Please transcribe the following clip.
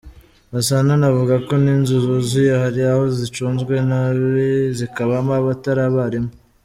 Gasana anavuga ko n’inzu zuzuye hari aho zicunzwe nabi zikabamo abatari abarimu.